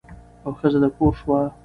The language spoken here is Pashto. او ښځه د کور شوه.